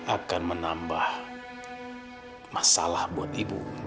akan menambah masalah buat ibu